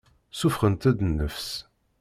Ssuffɣent-d nnefs.